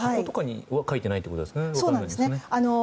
箱とかには書いてないということですね。